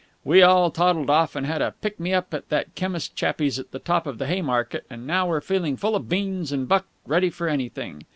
We all toddled off and had a pick me up at that chemist chappie's at the top of the Hay market, and now we're feeling full of beans and buck, ready for anything.